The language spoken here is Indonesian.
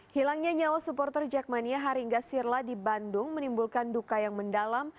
hilangnya nyawa supporter jackmania haringga sirla di bandung menimbulkan duka yang mendalam